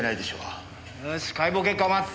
よし解剖結果を待つ。